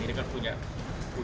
ini kan punya beberapa kali